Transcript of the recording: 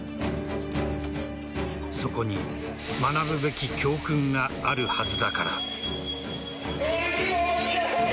そこに学ぶべき教訓があるはずだから。